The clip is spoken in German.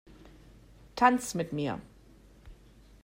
Tanz mit mir!